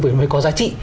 về nó mới có giá trị